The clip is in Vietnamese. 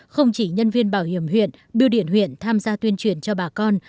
không chỉ nhân viên bảo hiểm huyện biêu điện huyện tham gia tuyên truyền cho bà con